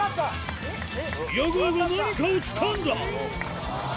宮川が何かをつかんだ！